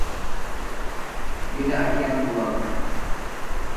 Meni aytganim bo'ladi!